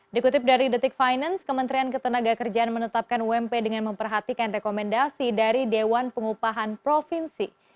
dikutip dari detik finance kementerian ketenaga kerjaan menetapkan ump dengan memperhatikan rekomendasi dari dewan pengupahan provinsi